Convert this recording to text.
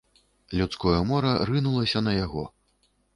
Людское мора рынулася на яго.